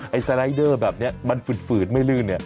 ไอ้สไลเดอร์แบบนี้มันฝืดไม่ลื่น